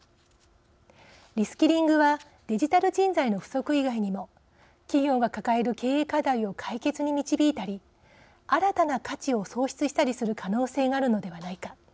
リスキリングはデジタル人材の不足以外にも企業が抱える経営課題を解決に導いたり新たな価値を創出したりする可能性があるのではないか。